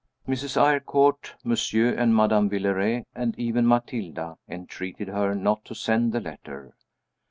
Mrs. Eyrecourt, Monsieur and Madame Villeray and even Matilda entreated her not to send the letter.